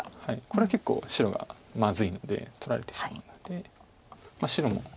これは結構白がまずいので取られてしまうので白も。